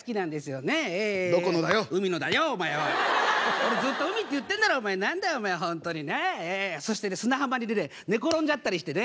俺ずっと海って言ってんだろお前何だよお前ホントにね。そしてね砂浜で寝転んじゃったりしてね。